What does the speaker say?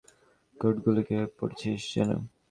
কোডগুলো কীভাবে পড়েছি যেন?